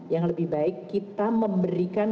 yang lebih baik kita memberikan